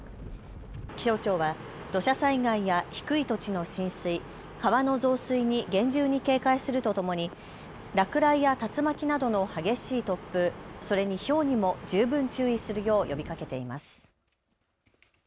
気象庁は土砂災害や低い土地の浸水、川の増水に厳重に警戒するとともに落雷や竜巻などの激しい突風、それにひょうにも十分注意するよう呼びかけています。